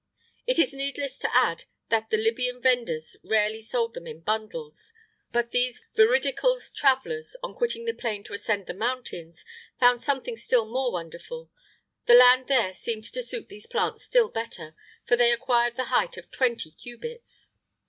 It is needless to add that the Libyan vendors rarely sold them in bundles. But these veridical travellers, on quitting the plain to ascend the mountains, found something still more wonderful; the land there seemed to suit these plants still better, for they acquired the height of twenty cubits.